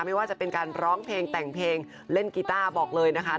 ไม่ว่าจะเป็นการร้องเพลงแต่งเพลงเล่นกีต้าบอกเลยนะคะ